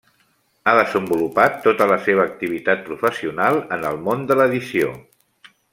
Ha desenvolupat tota la seva activitat professional en el món de l’edició.